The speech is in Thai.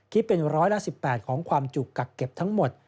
คิดเป็นร้อยละ๑๘ของความจุกกักเก็บทั้งหมด